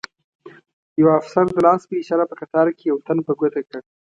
یو افسر د لاس په اشاره په قطار کې یو تن په ګوته کړ.